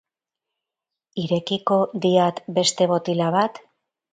Irekiko diat beste botila bat?